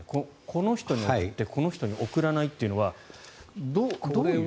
この人に送ってこの人に送らないというのはどういう？